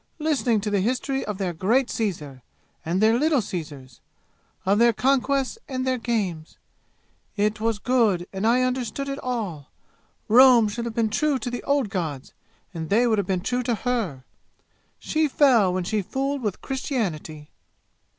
listening to the history of their great Caesar, and their little Caesars of their conquests and their games! It was good, and I understood it all! Rome should have been true to the old gods, and they would have been true to her! She fell when she fooled with Christianity!"